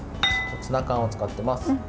ツナ缶を使っています。